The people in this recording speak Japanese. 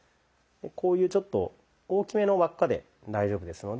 こういうちょっと大きめの輪っかで大丈夫ですので。